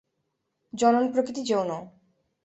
জনন প্রকৃতি যৌন।